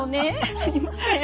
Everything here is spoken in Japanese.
すいません。